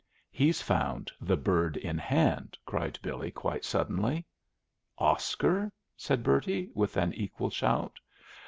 "He's found the Bird in Hand!" cried Billy, quite suddenly. "Oscar?" said Bertie, with an equal shout.